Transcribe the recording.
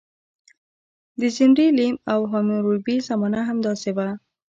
د زیمري لیم او حموربي زمانه همداسې وه.